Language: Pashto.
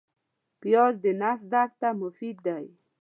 پیاز د نس درد ته مفید دی